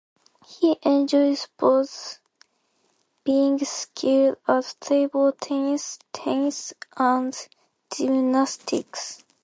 He enjoyed sports, being skilled at table tennis, tennis, and gymnastics.